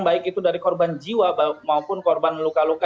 baik itu dari korban jiwa maupun korban luka luka